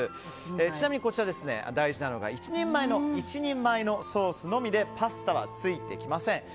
ちなみに、こちら大事なのが１人前のソースのみでパスタはついてきません。